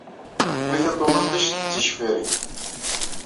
Tebbi taṭumaṭict d ticfiṛin.